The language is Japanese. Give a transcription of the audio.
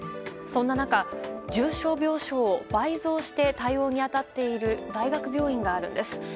そんな中、重症病床を倍増して対応に当たっている大学病院があるんです。